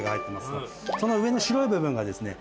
その上の白い部分がですね